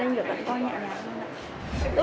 nên nhớ là coi nhẹ nhàng hơn ạ